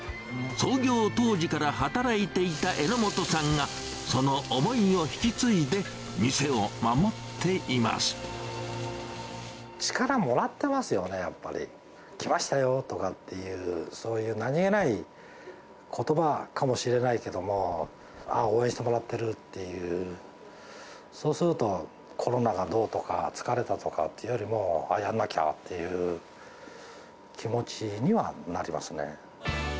創業当時から働いていた榎本さんがその思いを引き継いで、店を守力もらってますよね、やっぱり。来ましたよとかっていう、そういう何気ないことばかもしれないけれども、ああ、応援してもらってるっていう、そうすると、コロナがどうとか、疲れたとかっていうよりも、あっ、やんなきゃっていう気持ちにはなりますね。